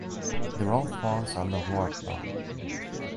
The road falls under Ward no.